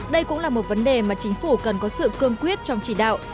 đây cũng là một vấn đề mà chính phủ cần có sự cương quyết trong chỉ đạo